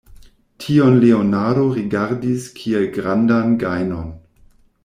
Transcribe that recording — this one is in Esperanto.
Tion Leonardo rigardis kiel grandan gajnon.